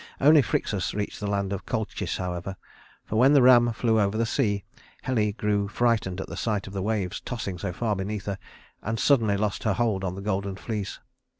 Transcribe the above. Only Phryxus reached the land of Colchis, however; for when the ram flew over the sea, Helle grew frightened at the sight of the waves tossing so far beneath her, and suddenly lost her hold on the golden fleece.